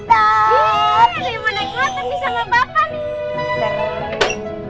ciee ada yang mau naik motor nih sama bapak nih